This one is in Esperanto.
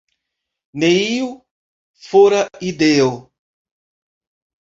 Ne iu fora ideo.